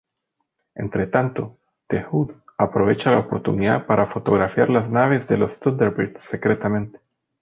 Entretanto, The Hood aprovecha la oportunidad para fotografiar las naves de los Thunderbird secretamente.